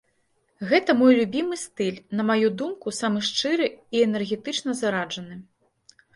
Гэта мой любімы стыль, на маю думку, самы шчыры і энергетычна зараджаны.